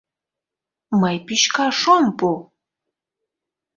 Мый пӱчкаш ом пу!